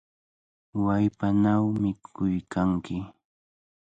¡Wallpanaw mikuykanki!